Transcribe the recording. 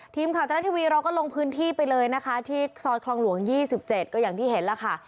ทีมข่าวทะละทีวีเราก็ลงพื้นที่ไปเลยนะคะที่ซอยคลองหลวง๒๗ก็อย่างที่เห็นแล้วค่ะ